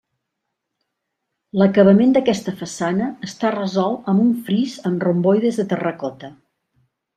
L'acabament d'aquesta façana està resolt amb un fris amb romboides de terracota.